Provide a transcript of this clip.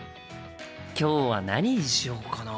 今日は何にしようかな？